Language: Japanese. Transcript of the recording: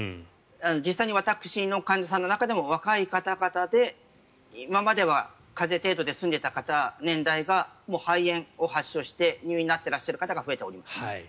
実際に私の患者さんの中でも若い方々で今までは風邪程度で済んでいた方年代が肺炎を発症して入院されている方が増えています。